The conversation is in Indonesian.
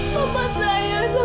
kamu bpx saja kan